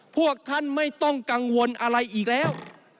พวกท่านไม่ต้องกังวลอะไรอีกแล้ว